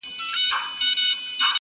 نه په زړه رازونه پخواني لري.!